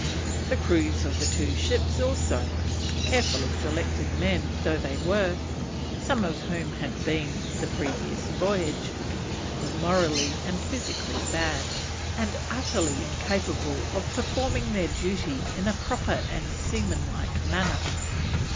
The crews of the two ships also, carefully selected men though they were, some of whom had been the previous voyage, were morally and physically bad, and utterly incapable of performing their duty in a proper and seamanlike manner.